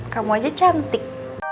kamu aja cantik